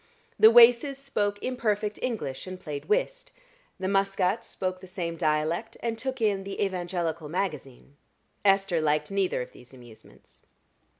The Waces spoke imperfect English and played whist; the Muscats spoke the same dialect and took in the "Evangelical Magazine." Esther liked neither of these amusements.